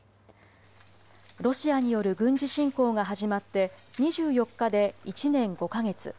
ロシアによる軍事侵攻が始まって２４日で１年５か月。